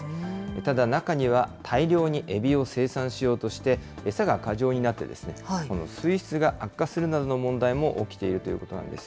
ただ中には、大量にエビを生産しようとして餌が過剰になって、水質が悪化するなどの問題も起きているということなんです。